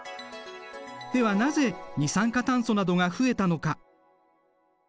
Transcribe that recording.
ではなぜ二酸化炭素などが増えたのか？